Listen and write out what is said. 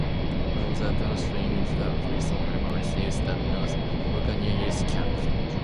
Further downstream, the Wilson River receives the North Fork near Lees Camp.